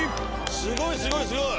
すごいすごいすごい。